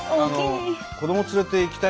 子ども連れて行きたいなと。